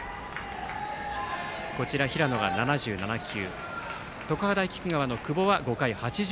平野は７７球。